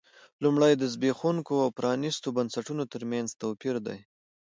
لومړی د زبېښونکو او پرانیستو بنسټونو ترمنځ توپیر دی.